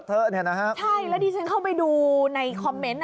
ใช่แล้วดิฉันเข้าไปดูในคอมเมนต์